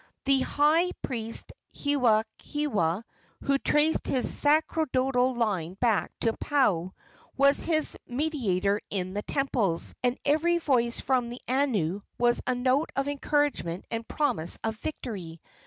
The high priest Hewahewa, who traced his sacerdotal line back to Paao, was his mediator in the temples, and every voice from the anu was a note of encouragement and promise of victory.